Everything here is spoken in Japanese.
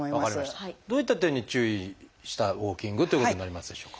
どういった点に注意したウォーキングということになりますでしょうか？